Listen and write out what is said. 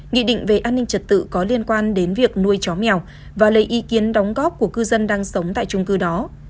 nghị định về an ninh trật tự có liên quan đến việc nuôi chó mèo và lấy ý kiến đóng góp của cư dân đang sống tại trung cư đó